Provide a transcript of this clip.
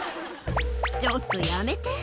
ちょっとやめて。